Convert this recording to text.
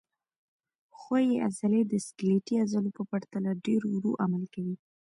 ښویې عضلې د سکلیټي عضلو په پرتله ډېر ورو عمل کوي.